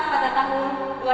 pada tahun dua ribu tujuh belas